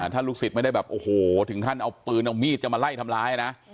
ถ้าลูกศิษย์ไม่ได้แบบโอ้โหถึงขั้นเอาปืนเอามีดจะมาไล่ทำร้ายนะ